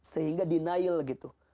sehingga denial gitu